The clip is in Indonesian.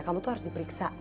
kamu tuh harus diperiksa